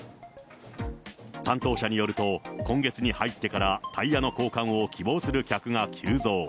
担当者によると、今月に入ってからタイヤの交換を希望する客が急増。